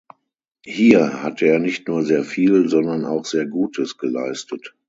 Hier hat er nicht nur sehr viel, sondern auch sehr Gutes geleistet.